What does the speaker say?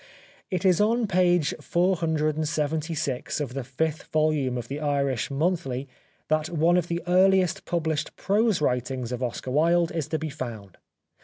' It is on page 476 of the fifth volume of The Irish Monthly that one of the earliest published prose writings of Oscar Wilde is to be found.